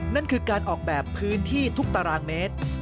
นั่นคือการออกแบบพื้นที่ทุกตารางเมตร